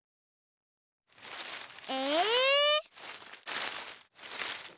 え？